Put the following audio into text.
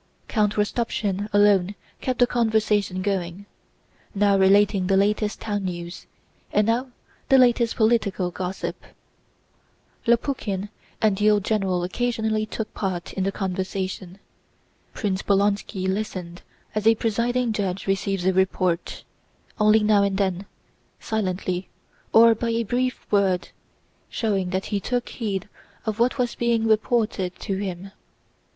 Count Rostopchín alone kept the conversation going, now relating the latest town news, and now the latest political gossip. Lopukhín and the old general occasionally took part in the conversation. Prince Bolkónski listened as a presiding judge receives a report, only now and then, silently or by a brief word, showing that he took heed of what was being reported to him.